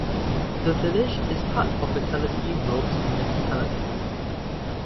The village is part of the Kallitea-Rhodes Municipality.